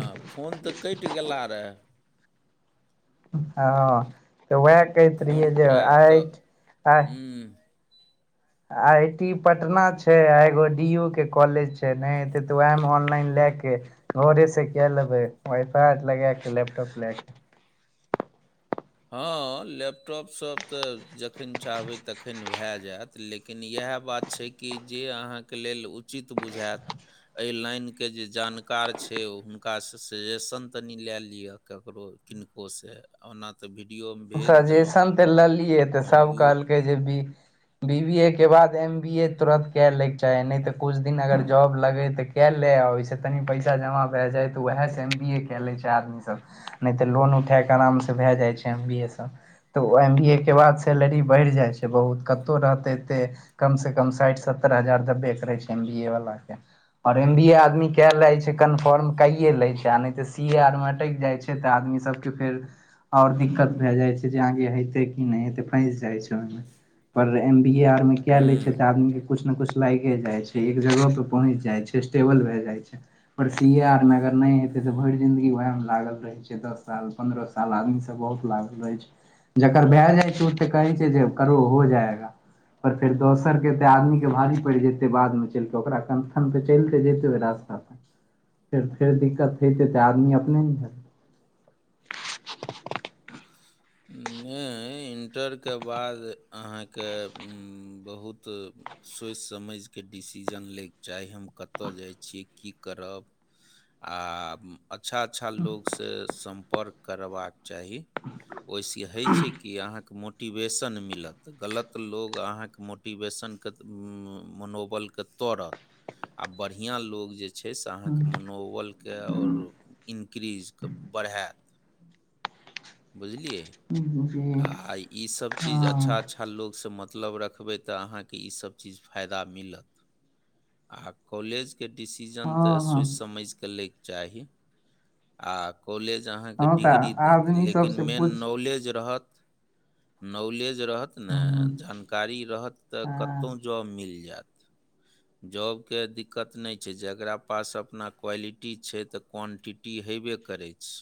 हँ फोन तऽ कटि गेला रहए हँ त उएह कहैत फोन रहियै जे रहए आइ तऽ आ हम्म, आई टी पटना छै आ एगो डी यू के कॉलेज छै ने हते तऽ उएह मे ऑनलाइन ले के घरे से कए लेबै वाइफाइ लगा के लैपटॉप लए के [inaudible] हँ लैपटॉपसभ तऽ जखन चाहबै तखन भए जायत लेकिन इएह इएह बात छै कि जे अहाँके लेल उचित बुझाायत एहि लाइनके जे जानकार छै ओ हुनकासँ सजेशन तनी लए लिअ ककरो किनको से ओना तऽ वीडियोमे भेज देलहुँ सजेशन त लेलियै त हन सभ कहलकै जे भी बी बी ए के बाद एम बी ए तुरत कए लैके चाही नहि त कछ दिन अगर जॉब लगे त कए ले ले आ ओहिस तनि पैसा जमा भए जाइ त वएह से एम बी ए कए ले छै आदमी सब नहि त लोन उठाय क आराम से भए जाइ छै ऐम बी ए सब त एम बी ए के बाद सैलरी बढ़ जाइ छै बहुत कत रहते क कम से कम साठि सत्तर हजार दबे करे छै एम बी ए वाला के और एम बी ए आदमी क ले छै कन्फर्म कये ले छै आ नहि त सी ए आर मे अटेक जाइ छै त आदमी सबके फेर आओ दी त भए जाइ छै आगे हेते कि नहिे फस जाइ छै ओना पर एम बी ए आरमे कए लै छै तऽ हूँ आदमीके कुछ ने कुछ लागे जाइ छै एक जगह पे पहुँच जाइ छै स्टेबल भए जाइ छै पर सी आर मगर नहि हेते तऽ हूँ भरि जिन्ददगी वएह मे लागल रहे छै दस साल पंन्द्रह साल आदमी सब बहुत लागल रहै छै जकर भए जाइ छै ओ तऽ कहै छै जे करो हो जायगा पर फेर दोसर के ते आदमी के हूँ भारी पड़ि जेतै बादमे चल के ओकरा कंथन त चलिते जेते ओ रास्ता त फेर फेर दिक्कत हेते तऽ आदमी अपने ने हतै [unintelligible] नइ इण्टरके बाद अहाँके बहुत सोचि समझिक डिसीजन लैके चाही हम कतऽ जाइ छियै की करब आ अच्छा अच्छा लोसँ सम्पर्क करबाक चाही ओहिसँ होइ छै कि अहाँके मोट मोटिवेशन मिलत गलत ल लोकग अहाँके मोटिवेशन कत मनोबलक तोड़त आ बढ़िया लोग जे छै से अहाँके हेतै मनोबलके आओर इन्क्रीबजक बरहैत बुझलिए जी आ ईसब चीज अच्छा हँ अच्छा लोकसँ मत मतब रखबै तऽ अहाँके ई सब चीज फायदा मिलत आ कॉलेज के डिसीजन तऽ हँ हँ सोचि समझिक लैके चाही आ कॉलेज अहाँके हँ तऽ डिग्री देत आदमी लेकिन सबसँ मेन पूछ नॉलेज रहत नॉलेज जे रहतन हूँ जानकारी रह त कतहु हँ जौव मिल जैत जॉब के दिक्कत नहि छै जेकरा पास अपना क्वालिटी छै त क्वंटिटी हे हेबे करै छै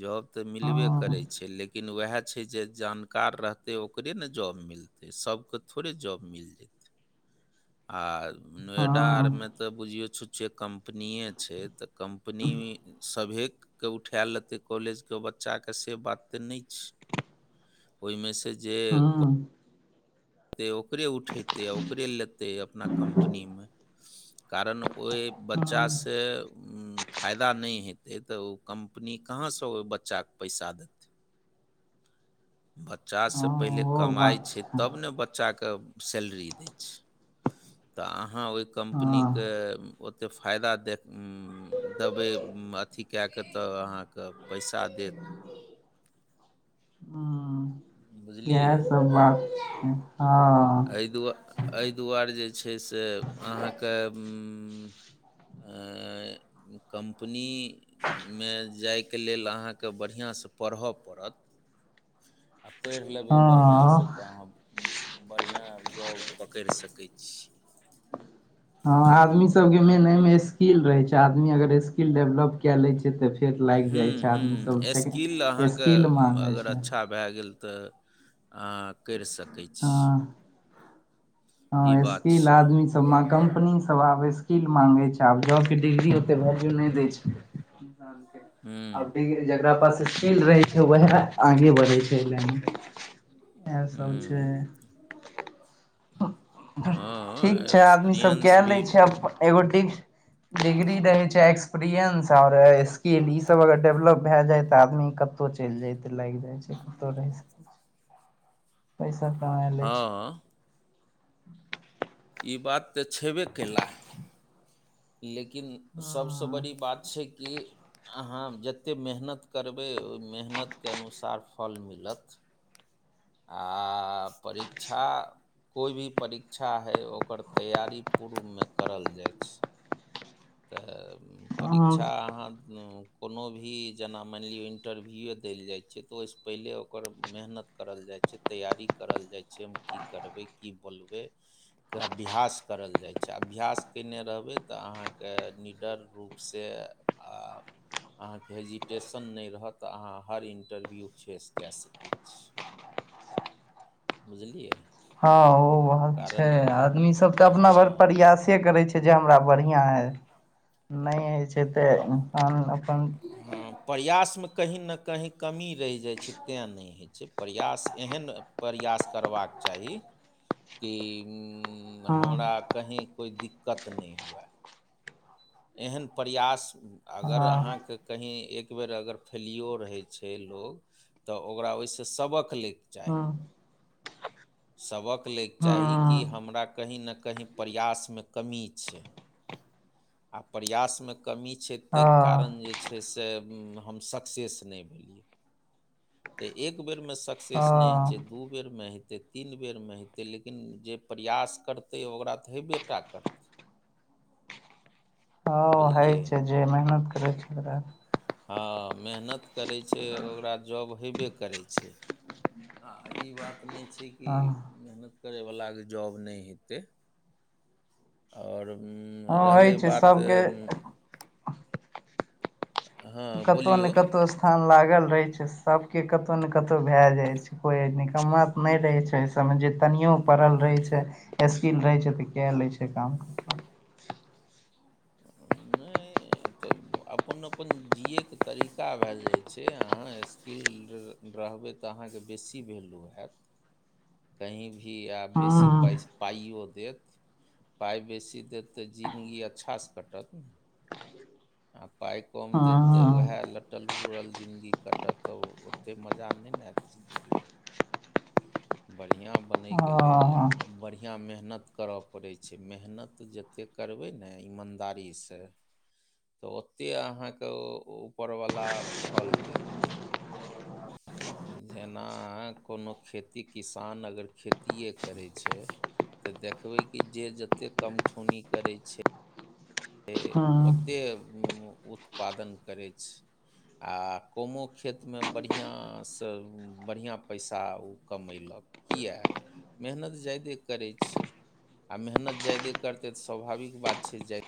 जॉब तऽ मिलबे करै हँ छै लेकिन वएह छै जे जानकार रहते ओकरे ने जॉब मिलते सबके थोड़े जॉब मिल जेते [inaudible] आर नोएडा आर हँ में ते बुझियो छुछे कम्पनीेए छै तऽ कम्पनी सभे के उठाए लेतै कॉलेजके बच्चाके से बात तऽ नहि छै ओहि मे से जे हँ ओकरे उठेतै आ ओकरे लेतै अपना कम्पनी मे कारण ओहि हूँ हँ बच्चासँ उ फायदा नहि हेतै तऽ ओ कम्पनी कहाँसँ ओहि बच्चाके पैसा देतै बच्चासँ पहिले ओ कमाइ बात छै तब ने बच्चाके सैलरी दै छै तऽ अहाँ ओहि कम्पनीके हँ ओतेक फायदा देख देबै अथी कए कऽ तऽ अहाँके पैसा देत ह बुझलियै इएह सब बात छै हँ एहि दुआ एहि दुआरे जे छै से अहाँके आ कम्पनीमे जायके लेल अहाँके बढ़िआँसँ पढ़य पड़त आ पढ़ि लेबै बढ़िआँसँ हँ तऽ अहाँ बढ़िआँ जॉब पकड़ि सकै छी। ह आदमी सब के मेन मे स्किल रहे छै, आदमी अगर स्किल डेवलप क ले छै। तऽ फेर लागि जाइ हुँ, छै, आदमी हुँ, स्किल सब अहाँके स्किल म, मांगे अगर छै अच्छा भए गेल तऽ करि सक ह ई हँ बात स्किल छै। आदमी सबमे कम्पनी सब आबै किल मांगे छै आब ज के डिग्री ओते वैल्यू नहि दै छै हुँ, अब जकरा पास स्किल्ड रहे छै वएह आगे बढ़े छै न इह सब छै हुँ, ह ठीक हँ छै आदमी सब एक्सपीरियंस कए भी ले छै एगोी डिग्री रहैत छै एक्सपीरियंस आओर स्किल ईसभ अगर डेवलप भए जाय तऽ आदमी कत कतहु चलि जयते लागि जाय छै कतौ रहि [inaudible] पैसा कमायल अछि हँ ई बात तऽ छबे कला लेकिन सबसँ बड़ी बात छै कि अहाँ जते मेहनत करबै मेहनतकें अनुसार फल भेटत आ आ परीक्षा कोइ भी परीक्षा होइ ओकर तैयारी पूर्वमे करल जाइ छै तऽ ह परीक्षा अहाँ कोनो भी जेना मानि लियौ इंटरव्यूए देल जाइ छैिय तऽ ओहिसँ पहिले ओकर मेहनत करल जाइ तैयारी करल जाइ छै, हम की करबै की बोलबै के अभ्यास करल जाइ छै, अभ्यास कयने रहबै तऽ अहाँके के निडर रूपसँ आ अहाँके हेजिटेशन नहि रहत तऽ अहाँ हर इंटरव्यू फेस कए सकै छी। बुझलियै हँ ओ बात छै। कारण आदमी सब तऽ अपना भर हँ प्रयासे करै छै। जे हमरा बढ़िआँ है नहि होइ छै। तऽ इन्सान अपन हँ प्रयासमे कहीं ने, कही कमी रहि जाय छै, तैं नहि होे छै। से प्रयास एहन प्रयास करबाक चाही कि हँ हमरा कहीँ कोइ दिक्कत नहि हुए एहन प्रयास अगर हँ अहाँके कहीँ एक एक बेर अगर फैलियो रहै छै। लोग तऽ ओकरा ओहिस सबक ले हँ सबक लेल चाही कि हँ हमरा कहीँ ने कहीं प्रयासमे कमी छी। आ प्रयासमे कमी छैइ तहि कारण हँ जे छैइ से हम सक्सेस नई भेलिअई त एक एक बेर में सक्सेस नहि होइ छैई हँ दू बेर मेें हेतै तीन बेरमे हेतै लेकिन जे प्रयास करतै ओकरा तऽ हेबेटा करतै [inaudible] ह हइ बुझलियै छैइ जे मेहनत करैइ छैइ ओकरा हँअ् मेहनत करैइ छैइ ओकरा जॉब हबे करैइ छैइ आ ई बात नई छैइ कि हँ मेहनत करैइ बला के जॉब नई हेतै और हँअ् होइ छैइ सबके हँ कतोउ ने बोलियौ कतोउ स्थान लाग ल रहैइ छैइ सबके कतहु ने कतहु भए जाइ छैइ कोई निकम्मा त नई रहै छैइ ओ सबमे ज कनियो पढ़ल रहैइ छैइ स्किल रहैइ छैइ तऽ कय लैइ छैइ काम [inaudible] नई तऽ अपन अपन जिये के तरीका भए जाइ छैइ अहाँ स्किल रहब रहबै तऽ अहाँके बेसी वैल्यू हैत कहीँ भी आब बेसी हँ पैस पाइओ देत पाइ बेसी देत तऽ जिनगी अच्छासँ कटत न आ पाइ कम देत तऽ उएह हँ लटल बूरल जिनगी कटत तऽ ओतेक मजा न नई ना आयत जिन्दगी में बढ़िआँ बनयके लेल बढ़िआँ मेहनत करय पड़ै छैइ मेहनत जतेक तेक करबैइ न ईमानदारीसे तऽ ओतेक अहाँके ओ ऊपरवला फल देत जेना कोनो खेत ती किसान अगर खेतिेये करैइ छैइ तऽ देखबै कि जे जतेक कमठौनी करैइ छैइ से ओतेक उत्पादन करैइ छैइ आ कमो खेतमे बढ़िआँसे बढ़िआँ पैसा ओ कमईलक किए मेहनत जा्यदे करैइ छैइ आ मेहनत जादे करतै तऽ स्वाभाविक बात छैइ जाय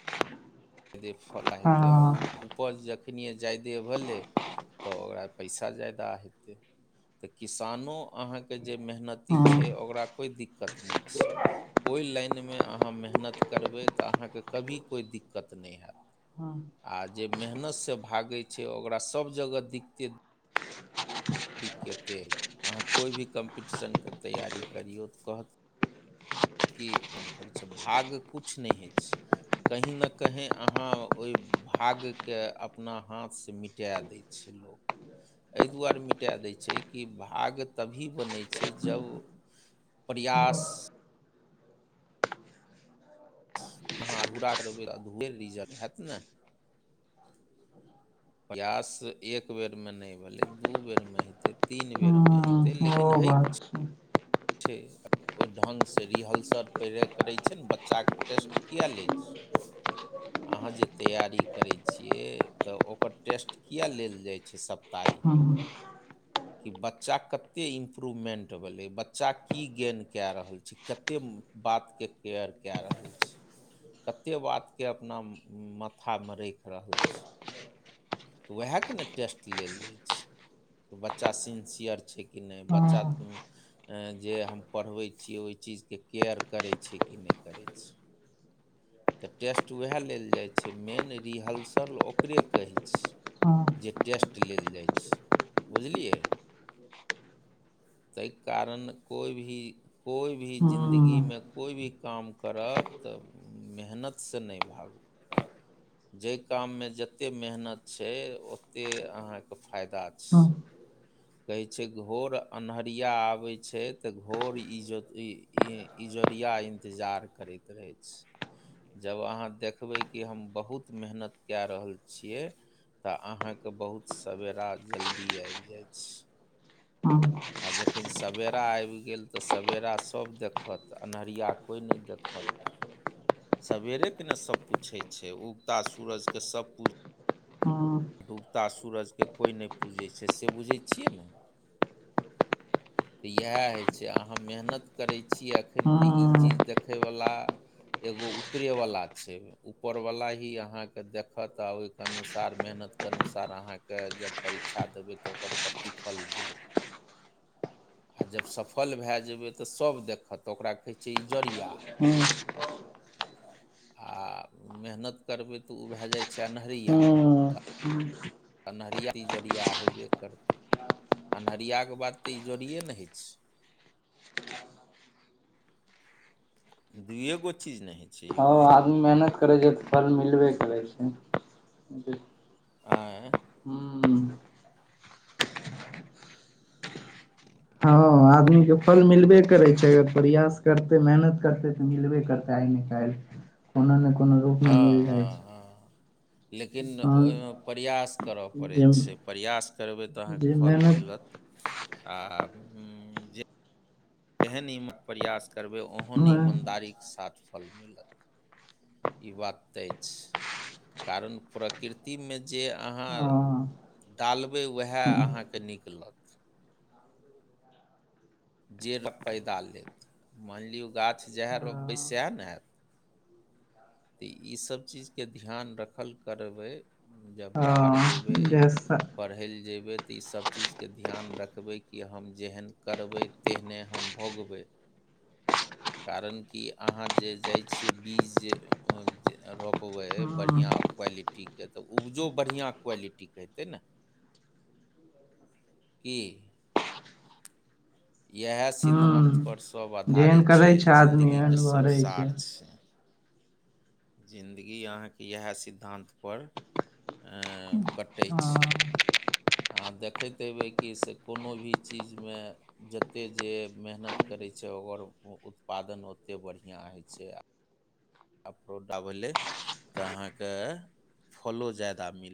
जादे फला हेतै आ उ उपज जखनिए जा्यदे भेलैइ तऽ ओकरा पैसा ज्यादा हेतै तऽ किसानो अहाँके जे मेहनती छै ओकरा कोई दिक्कत नई छै कोइ लाइनमे अहाँ मेहनत करबैइ तऽ अहाँके कभी कोइ दिक्कत नई हैत आ जे मेहनतसँ भागैइ छै ओकरा सब जगह दिक्कते दिक्कते अहाँ कोइ भी कम्पीटिशनके तैयारी करियौ तऽ कहत कि काम करय छौ भाग कुछ नहि होइत छै कहीं ने कहीं अहाँ ओहि भाग्य के अपना हाथसँ मिटाए दैए छै लोक एहि दुआरे मिटाए दैइ छै कि भाग्य तभी बनय छै जब प्रयास अहाँ अधूरा करबै तऽ अधुरे रिजल्ट हैत न प्रयास एक बेरमे नहि भेलै दू बेरमे हेतै तीन बेरमे हे तै लेकिन हइक छै छै ओइ ढंगसँ रिहलसर पहिले करय छै ने बच्चा के टेस्ट किए लए छै [inaudible] अहाँ जे तैयारी करय छियै तऽ ओकर टेस्ट कियै लेल जाइ छै सप्ताहिक ह कि बच्चा कते इम्प्रूवमेंट भेलै बच्चा की गेन कए रहल छै कते बातके केयर कए रहल छै कतेक बातके अपना माथामे राखि रहल छै उहैके ने टेस्ट लेल जाइ छै बच्चा सिंसियर छै कि नहि बच्चा अ जे हम पढ़बै छियै ओहि ओ चीजके केयर करय छै कि नहि करै छै तऽ टेस्ट उएह लेल जाइ छै मेन रिहर्सल ओकरे कहै छै जे टेस्ट लेल जाइ छै बुझलियै तहि कारण कोइ भी कोइ भी जिंन्दगीमे कोइ भी काम करब तऽ मेहनतसँ नहि भागू जहि काममे जतेक मेहनत छै ओतेक अहाँके फायदा छै कहै छै घोर अन्हरिया आबै छै तऽ घोर इज्जोत इजत इजोरिया इंतजार करैत रहय छै जब अहाँ देखबै कि हम बहुत मेहनत कए रहल छियै तऽ अहाँके बहुत सवेरा जल्दी आबि जायत आ जखन सवेरा आबि गेल तऽ सबेरा सब देखत अन्हरिया कोइ नहि देखत सवेरेके ने सभ पुछै छै उगता सूरज क सभ पुजे आ डूबता सूरजके कोइ नहि पूजै छै से बुझैत छियै न तऽ इएह होइ छै अहाँ मेहनत करै छियै एखन तऽ ई चीज देखयवला एगो ऊपरे वाला छै ऊपर वाला ही अहाँके देखत आ ओहिके अनुसार मेहनत मेहनत के अनुसार अहाँके जब परीक्षा देबै तऽ ओकर प्रतिफल देत आ जब सफल भए जेबै तऽ सभ देखत ओकरा कहे छै इजोरिया ह्म आ मेहनत करबै तऽ ओ भए जाइ छै अन्हरिया तऽ अन्हरिया इजोरिया हेबे करतै अन्हरियाके बात तऽ ई इजोड़िए ने होइ छै दूए गो चीज नहि ह आदमी मेहनत करै छै तऽ फल मिलबे करै छै ऐं हूँ हँ आदमीके फल मिलबे करै छै अगर प्रयास करतै मेहनत करतै तऽ मिलबे करतै आइ ने काल्हि कोनो ने कोनो रूप हँ मै मिल जाइ हँ छै [inaudible] लेकिन इंसान ओहिमे प्रयास करय पड़ै जे छै प्रयास करबै तऽ अहाँ जे क फल मेहनत मिलत आ हू जे जेहन ईमे प्रयास करबै ओहन मे ईमानदारीक साथ फल मिलत ई बात तैय छै कारण प्रकृतिमे जे अहाँ हँ डालबै उएह अहाँके नीक लत जे पैदा लेत मानि लियौ गाछ जएह रोपबै सएह न हैत तऽ इसभ चीजके ध्यान रखल करबै जब बाहर हँ जयबै जैसा पढ़य लए जयबै तऽ इसभ चीजके ध्यान रखबै कि हम जेहन करबै तेहने हम हम भोग्बैइ कारण कि आहाँ जे जाइ छियइ बीज जे जे रोपबै हूँ बढ़िआँ क्वालिटीके तऽ उपजो बढ़िआँ क्वालिटीके हेतै न कि इएह सिद्धान्त हूँ पर सभ आदमी भारी जेहन छै करै आदमी ओहन जिन्दगीके सब भरै सार छै जिन्दगी अहाँके इएह सिद्धान्तपर कटै छै हँ आह देखैत हेबै कि से कोनो भी चीजमे जतेक जे मेहनत कर करै छै ओकर उत्पादन ओतेक बढ़िआँ होइ छै प्रोडा भेले तऽ अहाँके फलो जदा मिले